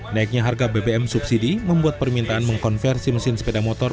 naiknya harga bbm subsidi membuat permintaan mengkonversi mesin sepeda motor